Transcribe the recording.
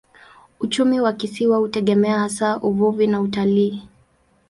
Uchumi wa kisiwa hutegemea hasa uvuvi na utalii.